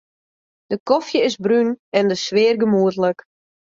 De kofje is brún en de sfear gemoedlik.